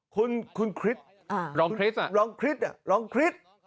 คุณคริสลองคริสลองคริส